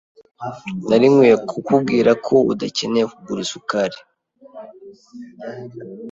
Nari nkwiye kukubwira ko udakeneye kugura isukari.